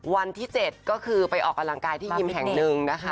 วันที่๗ก็คือไปออกกำลังกายที่ยิมแห่งหนึ่งนะคะ